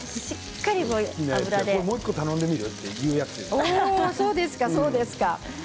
もう１個、頼んでみる？